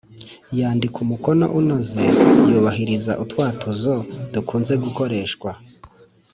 yandikau mukono unoze yubahiriza utwatuzo dukunze gukoreshwa.